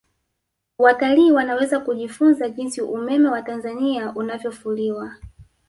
watalii wanaweza kujifunza jinsi umeme wa tanzania unavyofuliwa